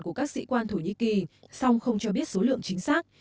của các sĩ quan thổ nhĩ kỳ song không cho biết số lượng chính xác